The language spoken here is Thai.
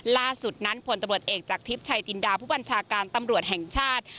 ล่าสุดนั้นผลตำรวจเอกจากทิพย์ชัยจินดาผู้บัญชาการตำรวจแห่งชาติ